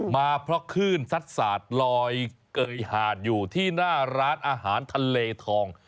มาเพราะคลื่นซัดสาดลอยเกยหาดอยู่ที่หน้าร้านอาหารทะเลทอง